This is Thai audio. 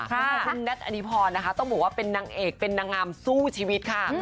คุณแน็ตอดีพรนะคะต้องบอกว่าเป็นนางเอกเป็นนางงามสู้ชีวิตค่ะ